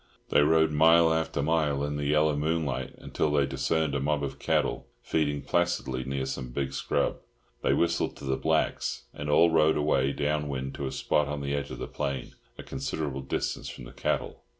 They rode mile after mile in the yellow moonlight, until they discerned a mob of cattle feeding placidly near some big scrub. They whistled to the blacks, and all rode away down wind to a spot on the edge of the plain, a considerable distance from the cattle.